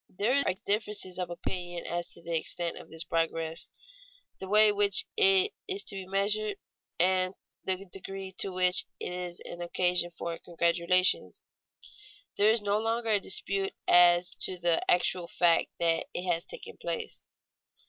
_ There are differences of opinion as to the extent of this progress, the way in which it is to be measured, and the degree to which it is an occasion for congratulation. There is no longer any dispute as to the actual fact that it has taken place.